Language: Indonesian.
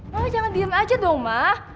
mama jangan diam aja dong mah